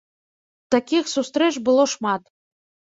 Такіх сустрэч было шмат.